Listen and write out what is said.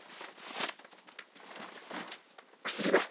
薬だ。